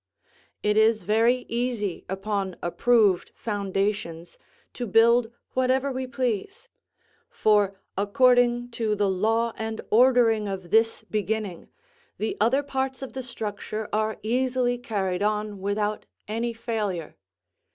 It is very easy, upon approved foundations, to build whatever we please; for, according to the law and ordering of this beginning, the other parts of the structure are easily carried on without any failure.